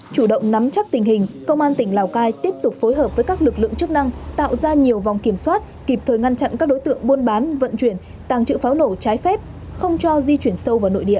chủ động nắm chắc tình hình công an tỉnh lào cai tiếp tục phối hợp với các lực lượng chức năng tạo ra nhiều vòng kiểm soát kịp thời ngăn chặn các đối tượng buôn bán vận chuyển tàng trữ pháo nổ trái phép không cho di chuyển sâu vào nội địa